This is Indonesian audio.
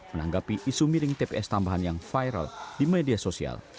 menanggapi isu miring tps tambahan yang viral di media sosial